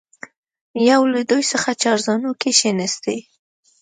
یو له دوی څخه چارزانو کښېنستی.